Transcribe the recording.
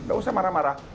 gak usah marah marah